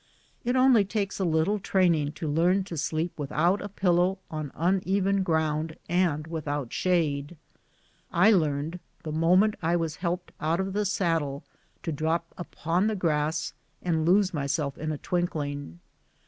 It only takes a little training to learn to sleep without a pillow on uneven ground and without shade. I learned, tlie moment I was helped out of the saddle, to drop upon the grass and lose myself in a twinkling.